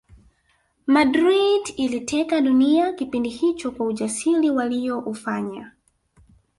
Madrid iliteka dunia kipindi hicho kwa usajiri waliyoufanya